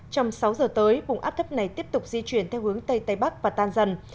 trong sáu giờ tới vùng áp thấp này tiếp tục di chuyển theo hướng tây tây bắc và tan dần